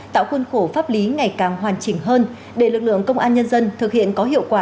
tạo khuôn khổ pháp lý ngày càng hoàn chỉnh hơn để lực lượng công an nhân dân thực hiện có hiệu quả